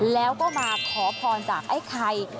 แล้วก็มาขอพรจากไอ้ไข่